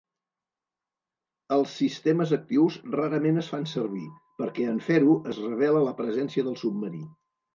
Els sistemes actius rarament es fan servir, perquè en fer-ho es revela la presència del submarí.